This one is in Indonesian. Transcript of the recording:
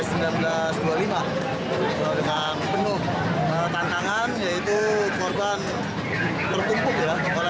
yang cukup maen maen yang dikumpulkan oleh buing bungkahan yang cukup maen maen yang dikumpulkan oleh buing bungkahan yang cukup maen maen